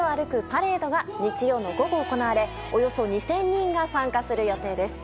パレードが日曜の午後、行われおよそ２０００人が参加する予定です。